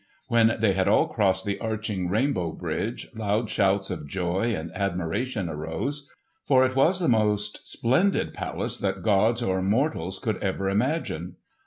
When they had all crossed the arching rainbow bridge, loud shouts of joy and admiration arose; for it was the most splendid palace that gods or mortals could ever imagine.